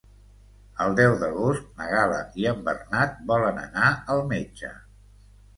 El deu d'agost na Gal·la i en Bernat volen anar al metge.